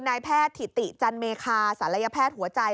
นายแพทย์ถิติจันเมคาศัลยแพทย์หัวใจ